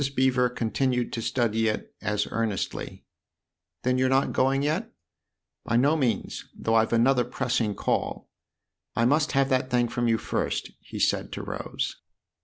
Mrs. Beever continued to study it as earnestly. " Then you're not going yet ?"" By no means, though I've another pressing call. I must have that thing from you first," he said to Rose.